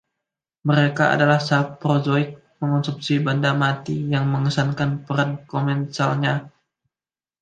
Mereka adalah saprozoik, mengonsumsi benda mati, yang mengesankan peran komensalnya.